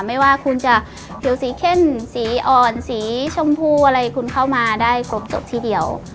ไม่ว่าคุณจะผิวสีเข้มสีอ่อนสีชมพูอะไรคุณเข้ามาได้ครบจบที่เดียว